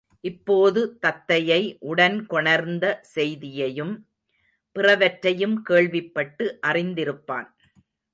இப்போது தத்தையை உடன்கொணர்ந்த செய்தியையும் பிறவற்றையும் கேள்விப்பட்டு அறிந்திருப்பான்.